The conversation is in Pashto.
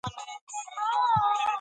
تاسې به د ټولنې په قوانینو پوه سئ.